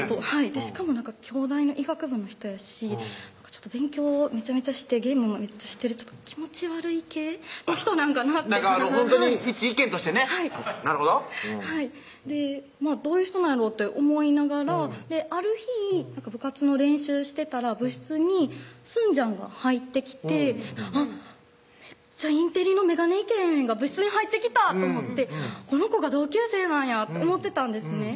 しかも京大の医学部の人やし勉強めちゃめちゃしてゲームもめっちゃしてるちょっと気持ち悪い系の人なんかなってほんとに一意見としてねなるほどはいどういう人なんやろうって思いながらある日部活の練習してたら部室にすんじゃんが入ってきてあっインテリの眼鏡イケメンが部室に入ってきたと思ってこの子が同級生なんやって思ってたんですね